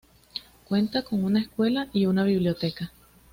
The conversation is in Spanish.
Cuenta con una escuela y una biblioteca.